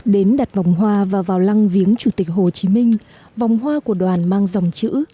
đến đặt vòng hoa và vào lăng viếng chủ tịch hồ chí minh vòng hoa của đoàn mang dòng chữ